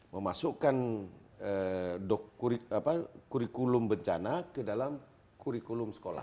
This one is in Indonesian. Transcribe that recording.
memasukkan kurikulum bencana ke dalam kurikulum sekolah